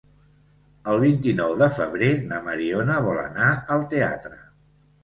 El vint-i-nou de febrer na Mariona vol anar al teatre.